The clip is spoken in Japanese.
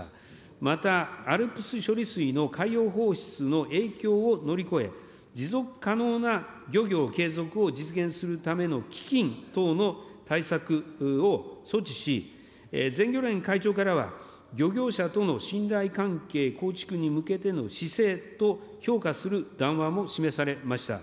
またＡＬＰＳ処理水の海洋放出の影響を乗り越え、持続可能な漁業継続を実現するための基金等の対策を措置し、全漁連会長からは、漁業者との信頼関係構築に向けての姿勢と評価する談話も示されました。